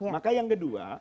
maka yang kedua